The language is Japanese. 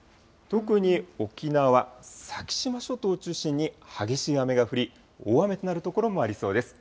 特に沖縄・先島諸島を中心に激しい雨が降り、大雨となる所もありそうです。